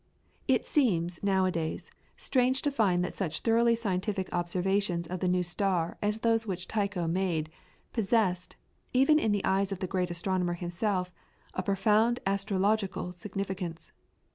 It seems, nowadays, strange to find that such thoroughly scientific observations of the new star as those which Tycho made, possessed, even in the eyes of the great astronomer himself, a profound astrological significance.